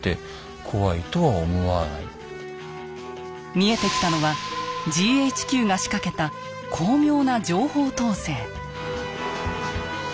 見えてきたのはＧＨＱが仕掛けた巧妙な情報統制。